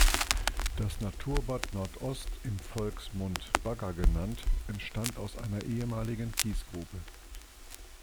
Das Naturbad Nordost, im Volksmund "Bagger" genannt, entstand aus einer ehemaligen Kiesgrube.